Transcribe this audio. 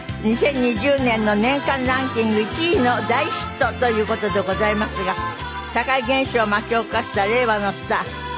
２０２０年の年間ランキング１位の大ヒットという事でございますが社会現象を巻き起こした令和のスターＹＯＡＳＯＢＩ